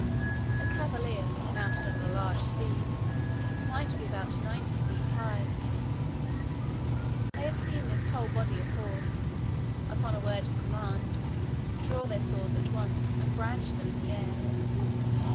A cavalier, mounted on a large steed, might be about ninety feet high. I have seen this whole body of horse, upon a word of command, draw their swords at once, and brandish them in the air.